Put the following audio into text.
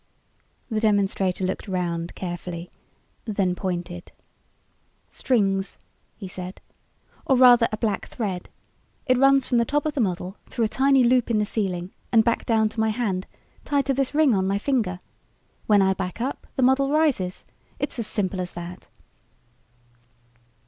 The demonstrator looked around carefully, then pointed. "Strings!" he said. "Or rather a black thread. It runs from the top of the model, through a tiny loop in the ceiling, and back down to my hand tied to this ring on my finger. When I back up the model rises. It's as simple as that."